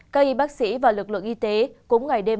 các y bác sĩ và lực lượng y tế cũng ngày đêm